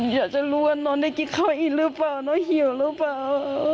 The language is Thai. อยากจะรู้ว่านอนได้กินข้าวอีกหรือเปล่าน้องเหี่ยวหรือเปล่า